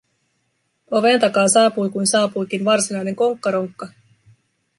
Oven takaa saapui kuin saapuikin varsinainen konkkaronkka: